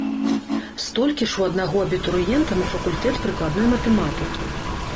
Столькі ж у аднаго абітурыента на факультэт прыкладной матэматыкі.